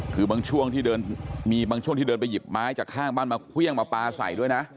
คือบางช่วงด้านที่เดินไปหยิบไม้จากข้างบนมาเครื่องมาปลาใส่ด้วยนะ